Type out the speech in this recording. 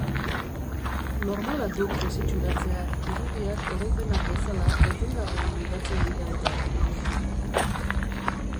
Normala duk desitxuratzea, irudiak, oroipenak bezala, etengabean mudatzen dira-eta.